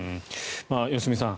良純さん